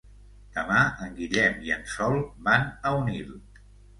Demà en Guillem i en Sol van a Onil.